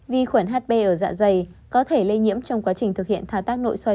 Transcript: vi khuẩn hp ở dạ dày có thể lây nhiễm trong quá trình thực hiện thao tác nội soi